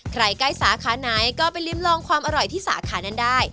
ใกล้สาขาไหนก็ไปริมลองความอร่อยที่สาขานั้นได้